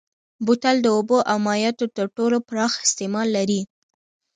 بوتل د اوبو او مایعاتو تر ټولو پراخ استعمال لري.